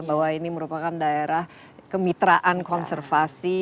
bahwa ini merupakan daerah kemitraan konservasi